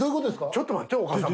ちょっと待ってお母さん。